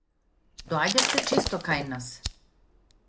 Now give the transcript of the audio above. Доаѓавте често кај нас.